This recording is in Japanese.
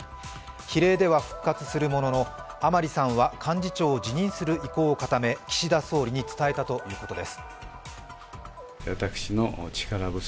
比例では復活するものの、甘利さんは幹事長を辞任する意向を固め岸田総理に伝えたということです。